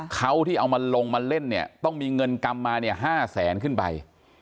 เขาที่เอามาลงมาเล่นเนี่ยต้องมีเงินกรรมมาเนี่ย๕แสนขึ้นไป